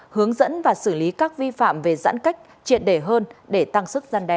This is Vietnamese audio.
hướng dẫn và xử lý các vi phạm về giãn cách triệt đề hơn để tăng sức gian đe